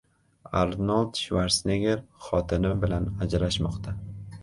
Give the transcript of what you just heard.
Arnold Shvarsenegger xotini bilan ajrashmoqda